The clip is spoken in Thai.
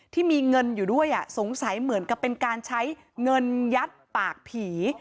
ที่มีเงินอยู่ด้วยสงสัยเหมือนกับเป็นการใช้เงินยัดปากผี